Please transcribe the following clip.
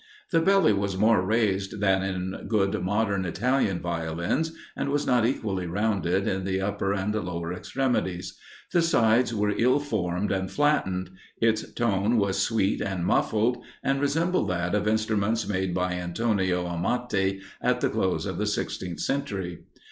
The belly was more raised than in good modern Italian Violins, and was not equally rounded at the upper and lower extremities; the sides were ill formed and flattened. Its tone was sweet and muffled, and resembled that of instruments made by Antonio Amati at the close of the sixteenth century.